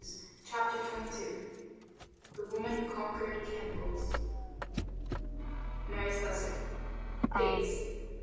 ] CHAPTER XXII THE WOMAN WHO CONQUERED CANNIBALS Mary Slessor (Dates, b.